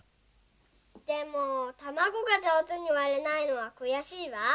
でもたまごがじょうずにわれないのはくやしいわ。